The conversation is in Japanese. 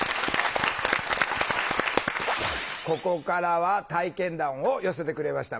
ここからは体験談を寄せてくれました